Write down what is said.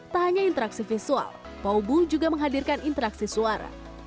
tak hanya interaksi visual paubu juga menghadirkan interaksi suara